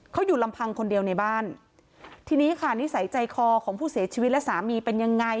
เขาอยู่ลำพังคนเดียวในบ้านทีนี้ค่ะนิสัยใจคอของผู้เสียชีวิตและสามีเป็นยังไง